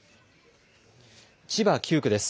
千葉９区です。